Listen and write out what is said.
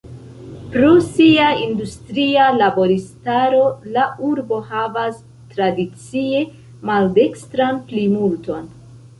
Pro sia industria laboristaro la urbo havas tradicie maldekstran plimulton.